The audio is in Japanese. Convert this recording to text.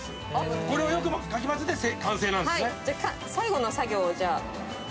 最後の作業をじゃあ。